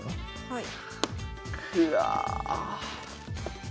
はい。